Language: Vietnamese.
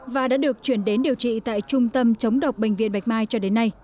và đã được chuyển đến điều trị tại trung tâm chống độc bệnh viện bạch mai cho đến nay